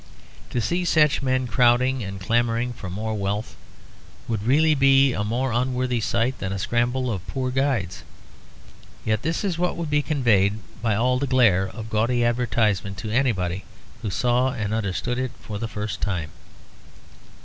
To see such men crowding and clamouring for more wealth would really be a more unworthy sight than a scramble of poor guides; yet this is what would be conveyed by all the glare of gaudy advertisement to anybody who saw and understood it for the first time.